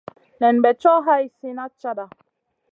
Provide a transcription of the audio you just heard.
Nen bè co hai slina cata.